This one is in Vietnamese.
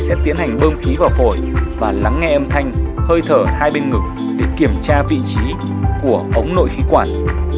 sẽ tiến hành bơm khí vào phổi và lắng nghe âm thanh hơi thở hai bên ngực để kiểm tra vị trí của ống nội khí quản